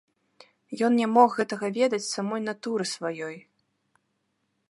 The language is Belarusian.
Ён не мог гэтага ведаць з самой натуры сваёй.